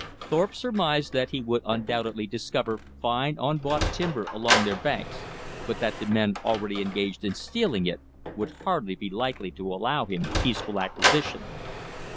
Thorpe surmised that he would undoubtedly discover fine unbought timber along their banks, but that the men already engaged in stealing it would hardly be likely to allow him peaceful acquisition.